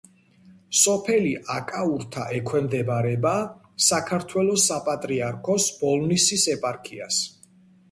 სოფელი აკაურთა ექვემდებარება საქართველოს საპატრიარქოს ბოლნისის ეპარქიას.